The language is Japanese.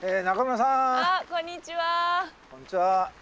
こんにちは。